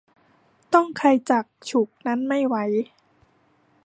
ต้องใครจักฉุกนั้นไม่ไหว